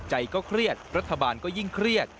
เครียดรัฐบาลก็ยิ่งเครียด